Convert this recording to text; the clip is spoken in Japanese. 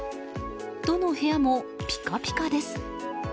どの部屋もピカピカです。